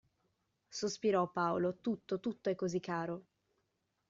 Sospirò Paolo, – tutto, tutto è così caro!